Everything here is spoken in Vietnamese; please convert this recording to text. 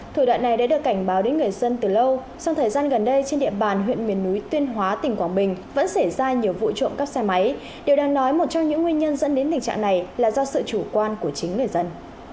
thủ đoạn này đã được cảnh báo đến người dân từ lâu sau thời gian gần đây trên địa bàn huyện miền núi tuyên hóa tỉnh quảng bình vẫn xảy ra nhiều vụ trộm cắp xe máy điều đang nói một trong những nguyên nhân dẫn đến tình trạng này là do sự chủ quan của chính người dân